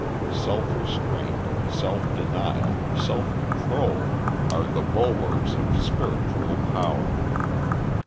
Self restraint, self denial, self control, are the bulwarks of spiritual power.